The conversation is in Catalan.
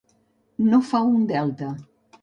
No fa un delta.